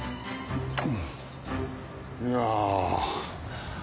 いや。